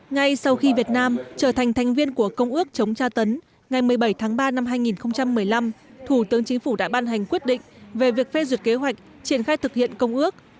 ngay sau khi việt nam trở thành thành viên của công ước chống tra tấn ngày một mươi bảy tháng ba năm hai nghìn một mươi năm thủ tướng chính phủ đã ban hành quyết định về việc phê duyệt kế hoạch triển khai thực hiện công ước